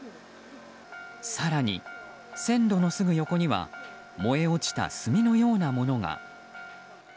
更に、線路のすぐ横には燃え落ちた炭のようなものが。